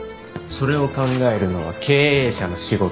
それを考えるのは経営者の仕事。